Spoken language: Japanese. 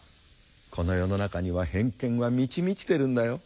「この世の中には偏見は満ち満ちてるんだよ。